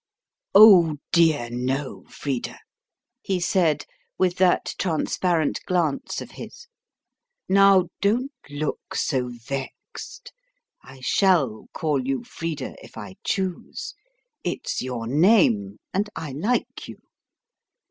"Oh, dear, no, Frida," he said, with that transparent glance of his. "Now, don't look so vexed; I shall call you Frida if I choose; it's your name, and I like you.